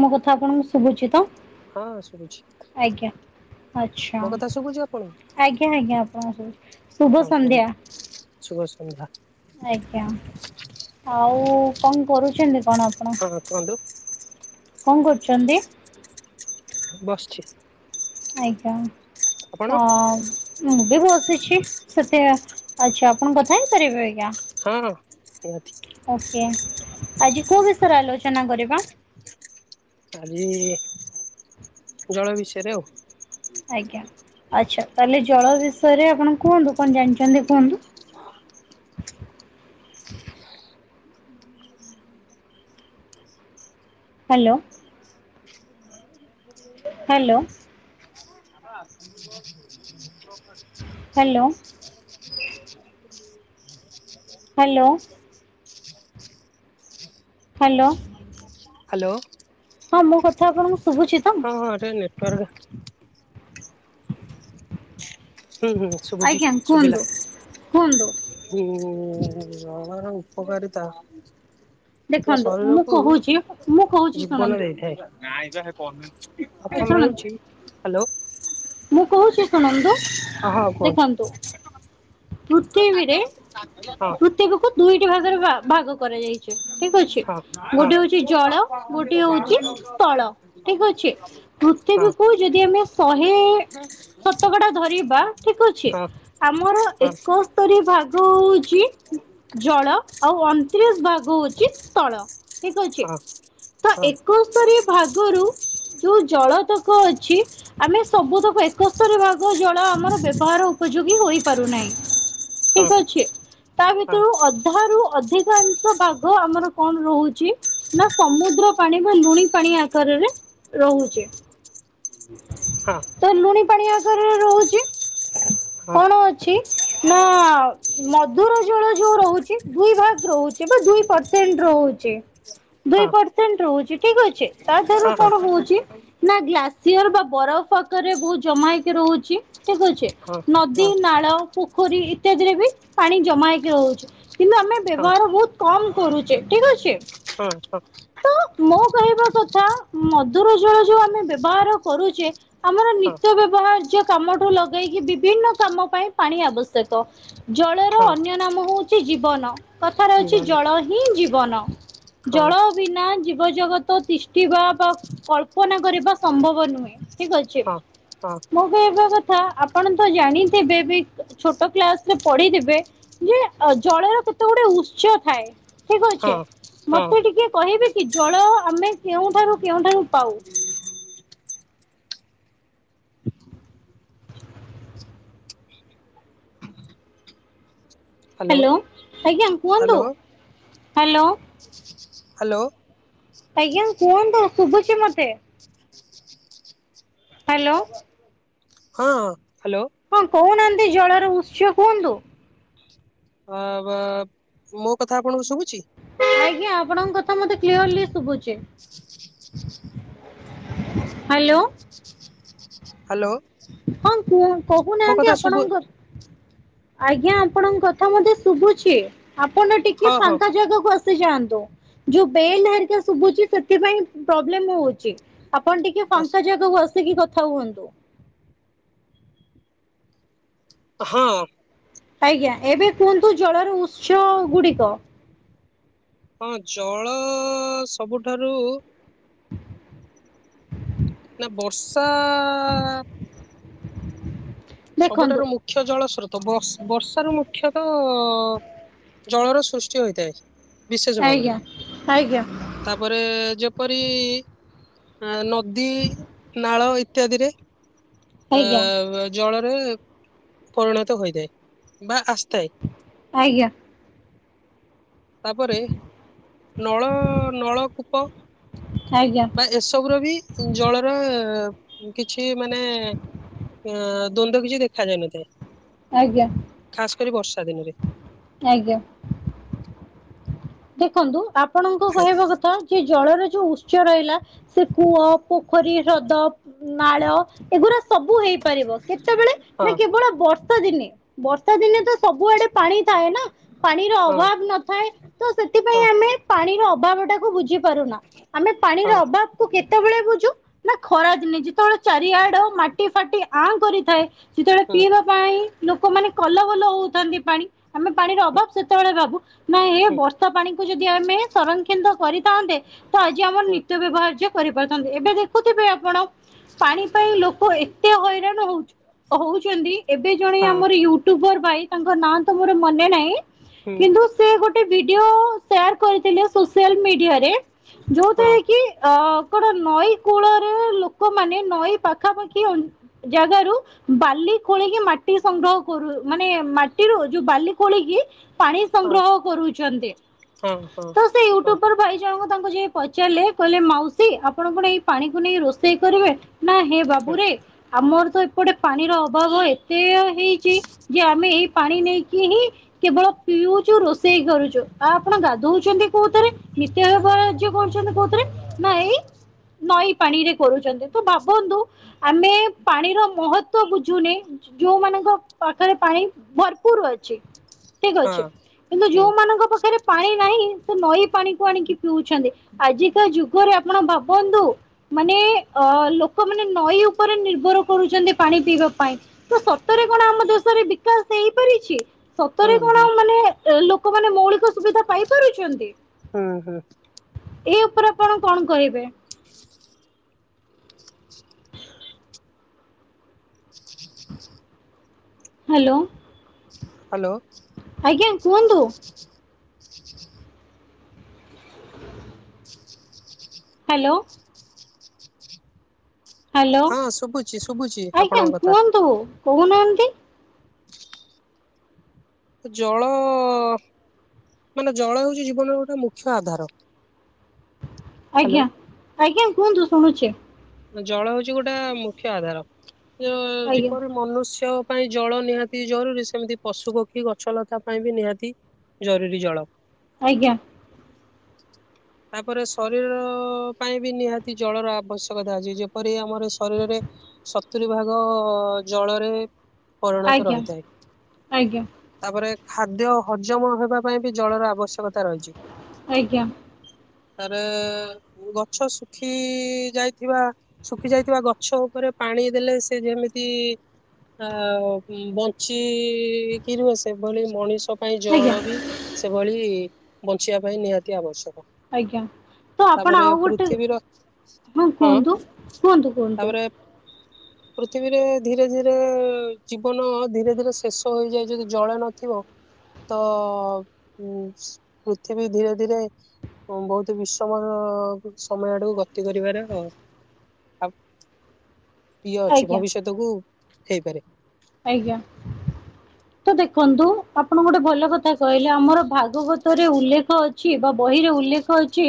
ମୋ କଥା ଆପଣଙ୍କୁ ଶୁଭୁଛି ତ? ହଁ ଶୁଭୁଛି। ଆଛା ମୋ କଥା ଶୁଭୁଛି ଆପଣଙ୍କୁ ଆଜ୍ଞା ଆଜ୍ଞା ଆପଣଙ୍କୁ ଶୁଭ ସଂଧ୍ୟା। ସୁୁଭ ସନ୍ଧ୍ୟା। ଆଜ୍ଞା ଆଉ କନ୍ କରୁଛନ୍ତି କଣ ଆପଣ? ହଁ କୁହନ୍ତୁ। କଂ କରୁଛନ୍ତି? ବସିଛି। ଆଜ୍ଞା ଆପଣ ଅ ହଁ। ମୁଁ ବି ବସିଛି ସେତେ ଆଚ୍ଛା ଆପଣ କଥା ହେଇପାରିବେ ଆଜ୍ଞା। ନିହାତି ଓକେ ଆଜି କୋଉ ବିଷୟରେ ଆଲୋଚନା କରିବା। ଆଜି ଜଳ ବିଷୟରେ ଆଉ। ଆଜ୍ଞା ଆଚ୍ଛା ତାହେଲେ ଜଳ ବିଷୟରେ ଆପଣ କୁହନ୍ତୁ କଣ ଜାଣିଛନ୍ତି କୁହନ୍ତୁ। Hello. [inaudible] Hello. [inaudible] Hello. [inaudible] [inaudible] Hello. Hello. Hello. ହଁ ମୋ କଥା ଆପଣଙ୍କୁ ଶୁଭୁଛି ତ? ହଁ ହଁ ଏ ଟି ନେଟୱାର୍କ ହୁଁ ହୁଁ ଶୁଭୁଚି ଆଜ୍ଞା ଶୁଭିଲା। କୁହନ୍ତୁ କୁହନ୍ତୁ ହୁଁ ଜଳର ଉପକାରିତା ପୁରା ଦେଖନ୍ତୁ ମୁଁ ଶରୀରକୁ କହୁଛି ମୁଁ କହୁଛି ଜୀବନ ଶୁଣନ୍ତୁ ଦେଇଥାଏ। [inaudible] ଶୁଣନ୍ତୁ ହାଲୋ। ମୁଁ କୋହୁଚି ଶୁଣନ୍ତୁ। ହଁ ହଁ କୁହନ୍ତୁ। ଦେଖନ୍ତୁ ପୃଥିବୀରେ ହଁ ପୃଥିବୀକୁ ଦୁଇଟି ଭାଗରେ ଭା ଭାଗ କରାଯାଇଛି ଠିକ ଅଛି। ହଁ ହଁ ଗୋଟିଏ ହୋଉଚି ଜଳ ଗୋଟିଏ ହୋଉଚି ସ୍ଥଳ ଠିକ ଅଛି। ହଁ। ପୃଥିବୀକୁୁ ଯଦି ଆମେ ଶହେ ହେ ଶତକଡ଼ା ଧରିବା ଠିକ ଅଛି ହଁ ହଁ ହଁ ଆମର ହଁ ହଁ ଏକସ୍ ସ୍ତରି ଭାଗ ହୋଉଚି ଜଳ ଆଉ ଅଣତିରିଶ ଭାଗ ହଉଛି ସ୍ଥଳ ଠିକ ଅଛି। ହଁ ହଁ ହଁ ତ ଏକୋଇସ୍ତରି ଭାଗରୁ ଯୋଉ ଜଳତକ ଅଛି ଆମେ ସବୁ ତକ ଏ ଏକସ୍ତରି ଭାଗ ଜଳ ଆମର ବ୍ୟବହାର ଉପଯୋଗୀ ହୋଇପାରୁନାହିଁ। ଠିକ ଅଛି ତା ହଁ ଭିତରୁ ଅ ଅଧା ରୁ ଅଧିକାଂଶ ଭାଗ ଆମର କଣ ରହୁଛି? ନା ସମୁଦ୍ର ପାଣି ବା ଲୁଣି ପାଣି ଆକାରରେ ରହୁଛି। [inaudible] ହଁ ତ ଲୁଣି ପାଣି ଆକାରରେ ରହୁଛି କଣ ଅଛି ନା ମଧୁର ଜଳ ଯୋଉ ରହୁଛି ଦୁଇ ଭାଗ ରହୁଛି ବା ଦୁଇ ପରସେଣ୍ଟ ରହୁଛି। ଦୁଇ ପରସେଣ୍ଟ ରହୁଛି ଠିକ ଅଛି ତା ଦିହରୁ କଣ ହଁ ହଉଛି ନା ଗ୍ଲା ସିଅର ବା ବରଫ ପାଖରେ ବହୁତ ଜମା ହେଇକି ରହୁଛି ଠିକ ଅଛି ହଁ ନଦୀ, ହଁ। ନାଳ ପୋଖରୀ ଇତ୍ୟାଦିରେ ବି ପାଣି ଜମା ହେଇକି ରହୁଛି କିନ୍ତୁ ଆମେ ହଁ ବ୍ୟବହାର ବହୁତ କମ କରୁଛେ ଠିକ ଅଛି। ହଁ ହଉ। ତ ମୋ କହିବା କଥା ମଧୁର ଜଳ ଯୋଉ ଆମେ ବ୍ୟବହାର କରୁଛେ ଆମର ହଁ ନିତ୍ୟ ବ୍ୟବହାର୍ଯ୍ୟ କାମଠୁ ଲଗେଇକି ବିଭିନ୍ନ କାମ ପାଇଁ ପାଣି ଆବଶ୍ୟକ। ଜଳର ହଁ ଅନ୍ୟ ନାମ ହଉଛି ଜୀବନ। କଥାରେ ଅଉଛି ଜୀବନ ଜଳ ହିଁ ଜୀବନ। ହଁ ଜଳ ବିନା ଜୀବଜଗତ ତିଷ୍ଠିବା ବା କଳ୍ପନା କରିବା ସ ସମ୍ଭବ ନୁହେଁ ଠିକ ଅଛି। ହଁ ହଁ ମୁଁ ମୁଁ ଏବେ କଥା ଆପଣ ତ ଜାଣିଥିବେ ବି ଛୋଟ କ୍ଲାସରେ ପଢିଥିବେ ଯେ ଜଳର କେତେ ଗୁଡେ ଉତ୍ସ ଥାଏ। ଠିକ ଅଛେ ହଁ ହଁ ମତେ ଟିକେ କହିବେ କି ଜଳ ଆମେ କେଉଁଠାରୁ କେଉଠାରୁ ପାଉ? ହ୍ୟାଲୋ ଆଜ୍ଞା କୁହନ୍ତୁ ହ୍ୟାଲୋ। [inaudible] ହାଲୋ ଆଜ୍ଞା କୁହନ୍ତୁ ଶୁଭୁଛି ମତେ। [inaudible] ହ୍ୟାଲୋ ହଁ ହ୍ୟାଲୋ। ହଁ କହୁନାହାନ୍ତି ଜଳର ଉତ୍ସ କୁହନ୍ତୁ? ହଁ ଆ ବା ମୋ କଥା ଆପଣଙ୍କୁ ଶୁଭୁଛି? ଆଜ୍ଞା ଆପଣଙ୍କ କଥା ମତେ କ୍ଲିୟରଲି ଶୁଭୁଛି। ହ୍ୟାଲୋ [inaudible] ହାଲୋ ହଁ କୁହ କହୁନାହାନ୍ତି ଆପଣଙ୍କ ଆଜ୍ଞା ଆପଣଙ୍କ କଥା ମତେ ଶୁଭୁଛି ଆପଣ ଟିକେ ହଁ ହଁ ଫାଙ୍କା ଜାଗାକୁ ଆସ ଯାଆନ୍ତୁ ଯୋଉ ବେଲ ହେରିକା ଶୁଭୁଛି ସେଥିପାଇଁ ପ୍ରୋବ୍ଲେମ ହଉଛି ଆପଣ ଟିକେ ଫାଙ୍କା ଜାଗାକୁ ଆସିକି କଥା ହୁଅନ୍ତୁ। ହଁ ଆଜ୍ଞା ଏବେ କୁହନ୍ତୁ ଜଳର ଉତ୍ସ ଗୁଡିକ ହଁ ଜଳ ସବୁଠାରୁ ନା ବର୍ଷା ଦେଖନ୍ତୁ। ସବୁଠାରୁ ମୁଖ୍ୟ ଜଳ ସ୍ରୋତ ବର୍ ବର୍ଷର ମୁଖ୍ୟତଃ ଜଳର ସୃଷ୍ଟି ହୋଇଥାଏ ବିଶେଷ ଭାବରେ। ଆଜ୍ଞା ଆଜ୍ଞା ତାପରେ ଯେପରି ଆ ନଦୀ ନାଳ ଇତ୍ୟାଦିରେ ଆ ଆଜ୍ଞା ଜଳରେ ପରିଣତ ହୋଇଥାଏ ବା ଆସିଥାଏ। ଆଜ୍ଞା। ତାପରେ ନଳ ନଳକୂପ। ଆଜ୍ଞା। ଏସବୁ ରେ ବି ଜଳର କିଛି ମାନେ ଅ ଦ୍ୱନ୍ଦ୍ୱ କିଛି ଦେଖାଯାନଥାଏ। ଆଜ୍ଞା। ଖାସ୍ କରି ବର୍ଷା ଦିନରେ। ଆଜ୍ଞା। ଦେଖନ୍ତୁ ଆପଣଙ୍କ କହିବା କଥା ସେ ଜଳର ଯଉ ଉତ୍ସ ରହିଲା ସେ କୂଅ, ପୋଖରୀ, ହ୍ରଦ, ନାଳ ଏଗୁୁରା ସବୁ ହେଇପାରିବ କେତେବେଳେ ହଁ ନା କେବଳ ବର୍ଷା ଦିନେ। ବର୍ଷା ଦିନେ ତ ସବୁଆଡେ ପାଣି ଥାଏ ନା ପାଣିର ହଁ ଅଭାବ୍ ନଥାଏ। ତ ସେଥିପାଇଁ ହଁ ଆମେ ପାଣିର ଅଭାବ ଟାକୁ ବୁଝିପାରୁନା ଆମେ ପାଣିର ହଁ ଅଭାବ୍ କେତେବେଳେ ବୁଝୁ ନା ଖରା ଦିନେ ଯେତେବେଳେ ଚାରିଆଡ ମାଟି ଫାଟି ଆଁ କରିଥାଏ। ଯେତେବେଳେ ହୁଁ ପିଇବା ପାଇଁ ଲୋକମାନେ କଲ ବଲ ହଉଥାନ୍ତି ପାଣି ଆମେ ପାଣିର ଅଭାବ ସେତେବେଳେ ଭାବୁ ନା ଏ ହୁଁ ବର୍ଷ ପାଣି କୁ ଯଦି ଆମେ ସଂରକ୍ଷିତ କରିଥାନ୍ତେ ତ ଆଜି ଆମର ହୁଁ ନିତ୍ୟ ବ୍ୟବହାର କରିପାରୁଥାନ୍ତେ ଏବେ ଦେଖୁଥିବେ ଆପଣ ପାଣି ପାଇଁ ଲୋକ ଏତେ ହଇରାଣ ହଉଚୁ ହଉଚନ୍ତି ଏବେ ଜଣେ ହଁ ଆମର ୟୁଟୁବର ଭାଇ ତାଙ୍କ ନାଁ ତ ମୋର ମନେ ନାହିଁ ହୁଁ କିନ୍ତୁ ସେ ଗୋଟେ ଭିଡିଓ ସେୟାର କରିଥିଲେ ସୋସିଆଲ ମିଡିଆରେ ରେ ହଁ ଯଉଥିରେ କି- ଅ କଣ ନଈ କୂଳରେ ଲୋକମାନେ ନଈ ପାଖାପାଖି ଅ ଜାଗାରୁ ବାଲି ଖୋଳିକି ମାଟି ସଂଗ୍ରହ କରୁ- ମାନେ ମାଟିରୁ ଯଉ ବାଲି ଖୋଳିକି ପାଣି ହଁ ସଂଗ୍ରହ କରୁଚନ୍ତି ହଁ ହଁ ତ ହଁ ୟୁଟୁବର ଭାଇ ଜଣଙ୍କୁ ତାଙ୍କୁ ଯାଇ ପଚାରିଲେ କହିଲେ ମାଉସୀ ଆପଣ କଣ ଏଇ ପାଣିକୁ ନେଇ ରୋଷ୍ ଷେଇ କରିବେ ନା ହେ ବାବୁ ହଁ ରେ ଆମର ତ ଏପଟେ ପାଣିର ଅଭାବ ହୁଏ ସେୟା ହେଇଚି ଯେ ଆମେ ଏଇ ପାଣି ନେଇକି ହିଁ କେବଳ ପିଉଚୁ ରୋଷେଇ କରୁ। ଚୁ ତ ଆପଣ ଗାଧଉଚନ୍ତି କୋଉଥିରେ ନିତ୍ୟବ୍ୟବହାର୍ଯ୍ୟ କରୁଚନ୍ତି କୋଉଥିରେ? ନାଇଁ ନଈ ପାଣିରେ କରୁଚନ୍ତି ତ ଭାବନ୍ତୁ ଆମେ ପାଣିର ମହତ୍ବ ବୁଝୁନେ ଯଉମାନଙ୍କ ପାଖେରେ ପାଣି ଭରପୁର୍ ଅଛି। ଠିକ୍ ଅଛି ହଁ କିନ୍ତୁ ହୁଁ ଯଉମାନଙ୍କ ପାଖରେ ପାଣି ନାହିଁ ସେ ନଈ ପାଣିକୁ ଆଣିକି ପିଉଚନ୍ତି ଆଜିକା ଯୁଗରେ ଆପଣ ଭାବନ୍ତୁ ମାନେ ଅ- ଲୋକମାନେ ନଈ ଉପରେ ନିର୍ଭର କରୁଚନ୍ତି ପାଣି ପିଇବା ପାଇଁ। ତ ସତରେ କଣ ଆମ ଦେଶରେ ବିକାଶ୍ ହେଇପାରିଚି? ସତରେ ହୁଁ ହୁଁ କଣ ମାନେ ଲୋକମାନେ ମୌଳିକ ସୁବିଧା ପାଇପାରୁଚନ୍ତି? ହୁଁ ହୁଁ ଏଇ ଉପରେ ଆପଣ କଣ୍ କହିବେ? ହାଲୋ। ହାଲୋ। ଆଜ୍ଞା କୁହନ୍ତୁ। ହାଲୋ। ହାଲୋ। ହଁ ଶୁଭୁଛି ଶୁଭୁଛି ଆପଣଙ୍କ କଥା ଜଳ ମାନେ ଜଳ ହଉଚି ଜୀବନର ଗୋଟେ ମୁଖ୍ୟ ଆଧାର। ହ୍ୟାଲୋ ଆଜ୍ଞା -ଆଜ୍ଞା କୁହନ୍ତୁ ଶୁଣୁଚି। ଜଳ ହଉଚି ଗୋଟେ ମୁଖ୍ୟ ଆଧାର ଅ- ଆଜ୍ଞା ଯେପରି ମନୁଷ୍ୟ ପାଇଁ ଜଳ ନିହାତି ଜରୁରୀ ସେମିତି ପଶୁ ପକ୍ଷୀ ଗଛଲତା ପାଇଁ ବି ନିହାତି ଜରୁରୀ ଜଳ। ଆଜ୍ଞା। ତାପରେ ଶରୀର ପାଇଁ ବି ନିହାତି ଜଳର ଆବଶ୍ୟକତା ଅଛି ଯେପରି ଆମର ଶରୀରରେ ସତୁରି ଭାଗ ଜଳରେ ପରିଣତ ଆଜ୍ଞା ରହିଥାଏ। ଆଜ୍ଞା ତାପରେ ଖାଦ୍ୟ ହଜମ ହେବା ପାଇଁ ବି ଜଳର ଆବଶ୍ୟକତା ରହିଚି। ଆଜ୍ଞା। ତାରେ ଗଛ ଶୁଖି ଯାଇଥିବା ଶୁଖି ଯାଇଥିବା ଗଛ ଉପରେ ପାଣି ଦେଲେ ସେ ଯେମିତି ଆଉ ବଞ୍ଚିି କି ରୁହେ। ସେଭଳି ମଣିଷ ପାଇଁ ଆଜ୍ଞା ଜଳ ବି ସେଭଳି ବଞ୍ଚିବା ପାଇଁ ନିହାତି ଆବଶ୍ୟକ। ଆଜ୍ଞା ତ ଆପଣ ତାପରେ ଆଉ ଗୋଟେ, ପୃଥିବୀର ହଁ କୁହନ୍ତୁ କୁହନ୍ତୁ କୁହନ୍ତୁ। ତାପରେ ପୃଥିବୀରେ ଧୀରେ ଧୀରେ ଜୀବନ ଧୀରେ ଧୀରେ ଶେଷ ହେଇଯାଏ। ଯଦି ଜଳ ନଥିବ ତ ଉ ପୃଥିବୀ ଧୀରେ ଧୀରେ ବହୁତ ବିଷମର ସମୟ ଆଡକୁ ଗତି କରିବାର ଆ ଇଏ ଅଛି ଆଜ୍ଞା ଭବିଷ୍ୟତକୁ ହେଇପାରେ। ଆଜ୍ଞା। ତ ଦେଖନ୍ତୁ ଆପଣ ଗୋଟେ ଭଲ କଥା କହିଲେ ଆମର ଭାଗବତରେ ଉଲ୍ଲେଖ ଅ ଛି ବା ବହିରେ ଉଲ୍ଲେଖ ଅଛି।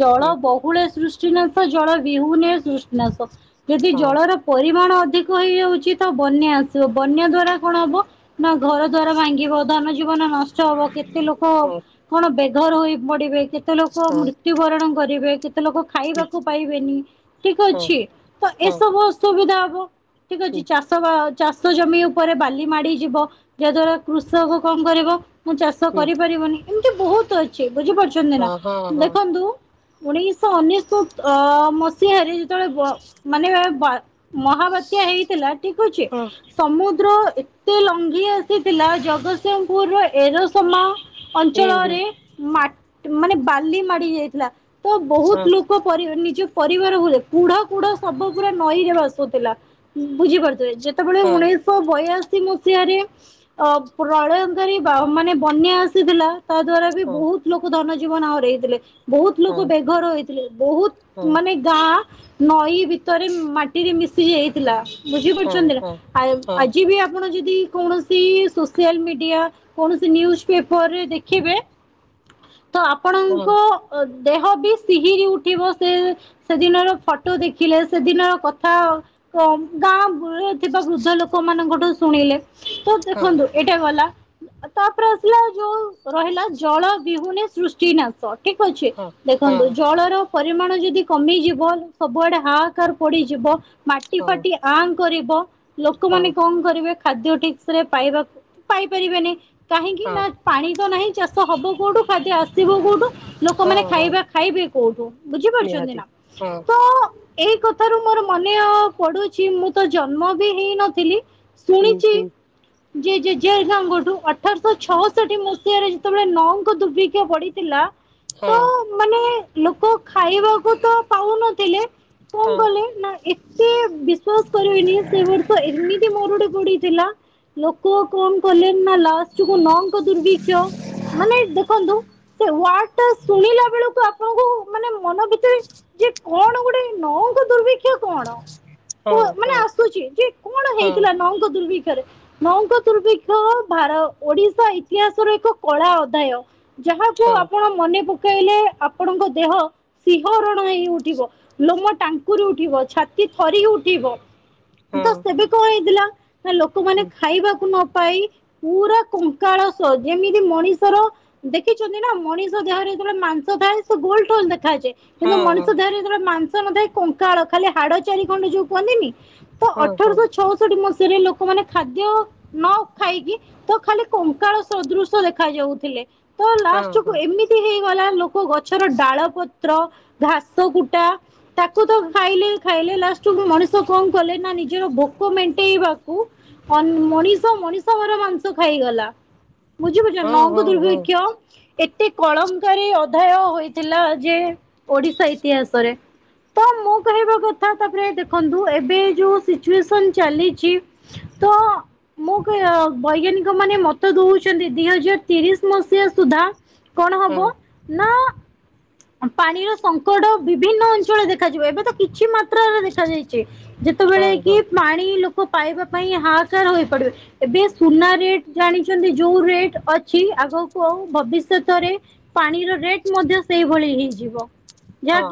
ଜଳ ହୁଁ ବହୁଳ ସୃଷ୍ଟିନାଶ ଜଳ ବିହୁନେ ସୃଷ୍ଟିନାଶ। ଏଠି ହଁ ଜଳର ପରିମାଣ ଅଧିକ ହେଇଯାଉଛି ତ ବନ୍ୟା ଆସୁ [unintelligible] ବନ୍ୟା ଦ୍ଵାରା କଣ ହବ ନା ଘର ଦ୍ଵାରା ଭାଙ୍ଗିବ। ଧନ ଯିବ୍ ଜୀବନ ନଷ୍ଟ ହବ କେତେ ଲୋକ ହଁ କଣ ବେଘର ହୋଇ ପଡିବେ। କେତେ ଲୋକ ହଁ ମୃ ତ୍ୟୁବରଣ କରିବେ କେତେ ଲୋକ ଖାଇବାକୁ ପାଇବେନି ଠିକ ହଁ ଅଛି। ତ ହଁ ଏସବୁ ସୁବିଧା ହବ ଠିକ ଅଛି ହୁଁ ଚାଷ ବା ଚାଷ ଜମି ଉପରେ ବାଲି ମାଡି ଯିବ, ଯାଦ୍ଵାରା କୃଷକ କଣ କରିବ ମୁଁ ଚାଷ ହୁଁ କରିପାରିବନି। ଏମିତି ବହୁତ ଅଛି ବୁଝିପାରୁଚନ୍ତି ନା। ହଁ ହଁ ହଁ ହଁ ଦେଖନ୍ତୁ ଉଣେଇଶହ ଅନେଶୋତ ମ ସିହାରେ ଯେତେବେଳେ ବ ମାନେ ବା ମହାବାତ୍ୟା ହେଇଥିଲା ଠିକ ଅଛି। ସମୁଦ୍ର ଏତେ ଲଙ୍ଘି ଆସିଥିଲା ଜଗତସିଂହପୁର୍ ର ଏରୋସମା ହୁଁ ହୁଁ ଅଞ୍ଚଳରେ ମାଟ୍ ମାନେ ବାଲି ମାଡି ଯାଇଥିଲା। ତ ହଁ ବହୁତ୍‌ ଲୋକ ପରିବାର ନିଜ ପରିବାର ହୁଏ କୁଢ କୁଢ ସବ ପୁରା ନଈରେ ଭାସୁଥିଲା ବୁଝି ପାରୁଥିବେ। ସେତେବେଳେ ହଁ ଉଣେଇଶହ ବୟାଅଶୀ ମସିହାରେ ଅ ପ୍ରଳୟଙ୍କାରୀ ବା ମାନେ ବନ୍ୟା ଆସିଥିଲା ତା ଦ୍ଵାରା ବି ବହୁତ ଲୋକ ଧନ ଜୀବନ ହରେଇଥିଲେ। ବହୁତ ହଁ ଲୋକ ବେଘର ହେଥିଲେ। ହଁ ବହୁତ ମାନେ ଯାହା ନଈ ଭିତରେ ମାଟିରେ ମିଶି ଯାଇଥିଲା। ବୁଝି ହଁ ପାରୁଚନ୍ତି ନା? ହଁ ଆ ହଁ। ଆଜି ବି ଆପଣ ଯଦି କୌଣସି ସୋସିଆଲ ମିଡିଆ କୌଣସି ନିୟୁଜ ପେପର ରେ ଦେଖିବେ, ତ ଆପଣ ହଁ। ଙ୍କ ଅ ଦେହ ବି ସିହିରି ଉଠିବ ସେ ସେଦିନର ଫଟୋ ଦେଖିଲେ, ସେଦିନର କଥା ଗାଁ [unintelligible] ଥିବା ବୃଦ୍ଧ ଲୋକ ମାନଙ୍କଠୁ ଶୁଣିଲେ, ତ ହଁ ଦେଖନ୍ତୁ ଏଇଟା ଗଲା। ତାପରେ ଆସିଲା ଯୋଉ ରହିଲା ଜଳ ବିହୁନେ ସୃଷ୍ଟି ନା ସ ଠିକ ଅଛି। ହଁ ହଁ ହଁ ହଁ ଦେଖନ୍ତୁ ହଁ ଜଳର ପରିମାଣ ଯଦି କମିଯିବ ସବୁଆଡେ ହାଆକାର ପଡିଯିବ ମାଟି ଫାଟି ଆଁ କରିବ। ଲୋକମାନେ ହଁ କଣ କରିବେ ଖାଦ୍ୟ ଠିକ ସେରେ ପାଇବାକୁ ପାଇପାରିବେନି। କାହିଁକି ହଁ ନା ପାଣି ତ ନାହିଁ ଚାଷ ହବ କୋଉଠୁ ଖାଦ୍ୟ ଆସିବ କୋଉଠୁ? ହଁ ଲୋକମାନେ ହଁ ଖାଇବା ଖାଇବେ କୋଉଠୁ? ବୁଝିପାରୁଛନ୍ତି ନିହାତି ନା? ହଁ। ଏହି କଥାରୁ, ମୋର ମନେଅ ପଡୁଚି। ମୁଁ ତ ଜନ୍ମ ବି ହେଇନଥିଲି। ହୁଁ ଶୁଣିଚି। ହୁଁ ଜେ ଜେଜେ ହେରିକାଙ୍କଠୁ, ଅଠରଶହ ଛଅଷଠି ମସିହାରେ, ଯେତେବେଳେ ନଅଙ୍କ ଦୁର୍ଭିକ୍ଷ ପଡିଥିଲା ତ, ହଁ ମାନେ ଲୋକ ଖାଇବାକୁ ତ ପାଉନଥିଲେ। କଅଁ ହଁ କଲେ ନା, ଏତେ ବିଶ୍ଵାସ କରିବେନି କ ଏମିତି ମରୁଡି ପଡ଼ି ଥିଲା। ଲୋକ କଣ କଲେ ନା, ଲାଷ୍ଟ କୁ ନଙ୍କ ଦୁର୍ଭିକ୍ଷ ମାନେ, ଦେଖନ୍ତୁ ସେ ୱାର୍ଡ ଟା ଶୁଣିଲା ବେଳକୁ ଆ ଆପଣଙ୍କୁ, ମାନେ ମନ ଭିତରେ ଯେ କଣ ଗୋଟେ ନଅଙ୍କ ଦୁର୍ଭିକ୍ଷ ର୍ଭିକ୍ଷ କଣ? ହଁ ତ ମାନେ ଆସୁଛି। ଯେ କଣ ହଁ ହେଇଥିଲା, ନଅଙ୍କ ଦୁର୍ଭିକ୍ଷ ରେ? ନଅଙ୍କ ଦୁର୍ଭିକ୍ଷ, ଭାର ଓଡିଶା ଇତିହାସର ଏକ କଳା ଅଧ୍ୟାୟ ଯାହା ହଁ। ଆପଣ ମନେ ପକାଇଲେ, ଆପଣଙ୍କ ଦେହ ସିହରଣ ହେଇ ଉଠିବ, ଲୋମ ଟାଙ୍କୁରି ଉଠିବ, ଛାତି ଥରି ଉଠିବ। ହଁ ତ ହଁ ସେବେ କଣ ହେଇଥିଲା, ନା ଲୋକମାନେ ହୁଁ ଖାଇବାକୁ ନ ପାଇ ପୁରା କଙ୍କାଳସ ଯେମିତି ମଣିଷର ଦେଖିଛନ୍ତି ନା। ମଣିଷ ଦେହରେ ଯେତେବେଳେ ମାଂସ ଥାଏ, ସେ ଗୋଲ ଠୋଲ ଦେଖାଯାଏ କିନ୍ତୁ, ହଁ ମଣିଷ ଦେହରେ ଯେତେବେଳେ ମାଂସ ନଥାଏ। କଙ୍କାଳ ଖାଲି, ହାଡ ଚାରି ଖଣ୍ଡ ଯୋଉ କୁହନ୍ତିନି ତ ହଁ ହଁ ଅଠରଶହ ଛଅଷଠି ମସିହାରେ ଲୋକମାନେ ଖାଦ୍ୟ ନ ଖାଇକି, ତ ଖାଲି କଙ୍କାଳ ସଦୃଶ ଦେଖା ଯାଉଥିଲେ। ତ ହଁ ଲାଷ୍ଟକୁ ଏମିତି ହେଇଗଲା, ଲୋ କୋ ଗଛର ଡାଳ, ପତ୍ର, ଘାସ, କୁଟା, ତାକୁ ତ ଖାଇଲେ ହି ଖାଇଲେ, ଲାଷ୍ଟକୁ ମଣିଷ କଣ କଲେ ନା ନିଜର ଭୋକ ମେଣ୍ଟେଇବାକୁ, ଅନ ମଣି ଷ ମଣିଷ ମରା ମାଂସ ଖାଇଗଲା। ବୁଝି ପାରୁଛନ୍ତି ହଁ ହଁ ହଁ ନଅଙ୍କ ହଁ ଦୁର୍ଭିକ୍ଷ ଏତେ କଳଙ୍କାରି ଅଧ୍ୟାୟ ହୋଇଥିଲା ଯେ, ଓଡିଶା ଇତିହାସରେ। ତ ମୁଁ କହିବା କଥା, ତାପରେ ଦେଖନ୍ତୁ ଏବେ ଯୋଉ ସିଚୁଏସନ ଚାଲିଛି ତ ମୁଁ କି ଆଉ ବୈଜ୍ଞାନିକ ମାନେ ମତ ଦଉଛନ୍ତି ଦି ହଜାର ତିରିଶ ମସିହା ସୁଦ୍ଧା କଣ ହବ ନା ପାଣିର ସଙ୍କଟ ବିଭିନ୍ନ ଅଞ୍ଚଳରେ ଦେଖାଯିବ, ଏବେ ତ କିଛି ମାତ୍ରରେ ଦେଖାଯାଇଛି। ହଁ ଯେତେବେଳେ ହଁ ହଁ କି ପାଣି ଲୋକ ପାଇବା ପାଇଁ ହାହାକାର ହୋଇପଡିବେ। ଏବେ ସୁନା ରେଟ୍ ଜାଣିଛନ୍ତି ଯୋଉ ରେଟ ଅଛି, ଆଗକୁ ଆଉ ଭବିଷ୍ୟତରେ ପାଣିର ରେଟ ମଧ୍ୟ ସେଇଭଳି ହେଇଯିବ ହଁ ଯାହାକି